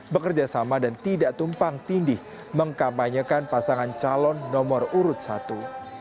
bekerja sama dan tidak tumpang tindih mengkampanyekan pasangan calon nomor urut satu